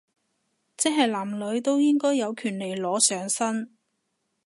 即係男女都應該有權利裸上身